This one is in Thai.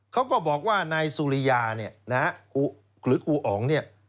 เขาก็บอกว่านายสุริยาหรือกูอ๋อง